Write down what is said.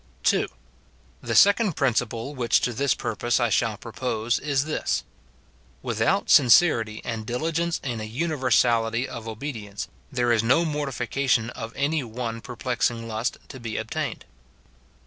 2. The second principle which to this purpose I shall propose is this :— WitJiout sincerity and diligence in a universality of obedience, there is no mortification of any one perplexing lust to be obtained.